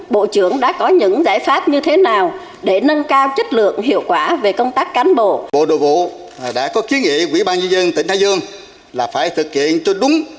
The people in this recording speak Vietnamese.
bộ đội vụ đã có kiến nghị quỹ ban dân dân tỉnh thái dương là phải thực hiện cho đúng